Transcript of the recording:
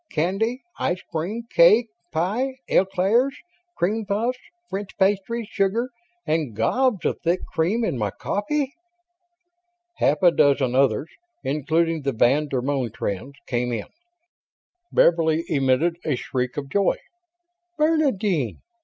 Candy, ice cream, cake, pie, eclairs, cream puffs, French pastries, sugar and gobs of thick cream in my coffee...?" Half a dozen others, including the van der Moen twins, came in. Beverly emitted a shriek of joy. "Bernadine!